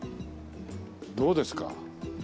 どうですか？